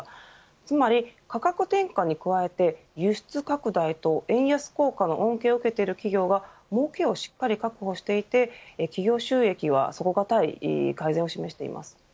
つまり価格転嫁に加えて輸出拡大と円安効果の恩恵を受けている企業がもうけをしっかり確保していて企業収益は底堅い改善を示しています。